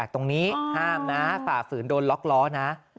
ตรงนี้ห้ามนะฝ่าฝืนโดนล็อกล้อนะ